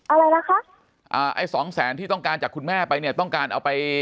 อะไรล่ะคะอ่าไอ้สองแสนที่ต้องการจากคุณแม่ไปเนี่ยต้องการเอาไป